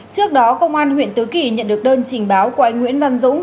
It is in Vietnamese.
trước đó công an huyện tứ kỳ nhận được đơn trình báo của anh nguyễn văn dũng